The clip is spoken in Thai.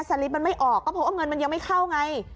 ลิปมันไม่ออกก็เพราะว่าเงินมันยังไม่เข้าไง